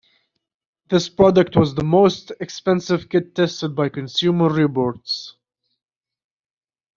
This product was the most expensive kit tested by Consumer Reports.